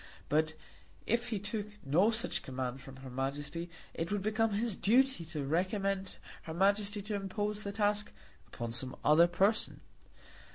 But if he took no such command from her Majesty it would become his duty to recommend her Majesty to impose the task upon some other person.